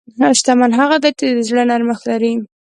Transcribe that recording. شتمن هغه دی چې د زړه نرمښت لري.